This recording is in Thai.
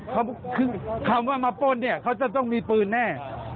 คือคำว่ามาป้นเนี่ยเขาจะต้องมีปืนแน่